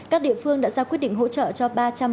các địa phương đã ra quyết định hỗ trợ cho